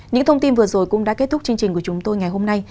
những thông tin vừa rồi cũng đã kết thúc chương trình của chúng tôi ngày hôm nay